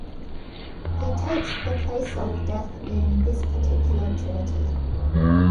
He takes the place of death in this particular trinity.